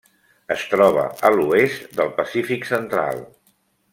Es troba a l'oest del Pacífic central.